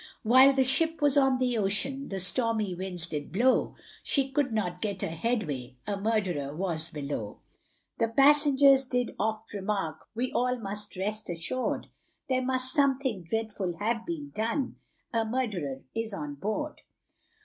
While the ship was on the ocean, The stormy winds did blow, She could not get a headway, A murderer was below; The passengers did oft remark, We all must rest assured; There must something dreadful have been done, A murderer is on board.